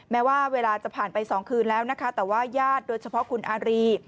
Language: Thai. แม้ว่าเวลาจะผ่านไป๒คืนแล้วนะคะแต่ว่าญาติโดยเฉพาะคุณอารี